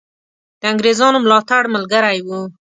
د انګرېزانو ملاتړ ملګری وو.